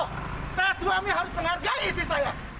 saya menghormati aturan tapi saya lebih menghormati aturan allah